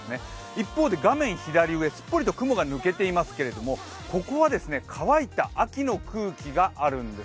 一方で画面左上、すっぽりと雲が抜けていますけれども、ここは乾いた秋の空気があるんです。